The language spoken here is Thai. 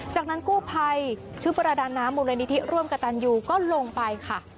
จากนั้นกู้ภัยชุดประดาน้ำมูลนิธิร่วมกับตันยูก็ลงไปค่ะ